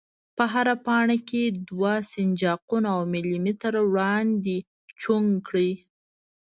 په هره پاڼه کې دوه سنجاقونه او ملي متره وړاندې چوګ کړئ.